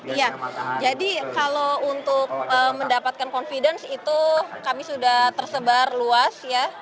iya jadi kalau untuk mendapatkan confidence itu kami sudah tersebar luas ya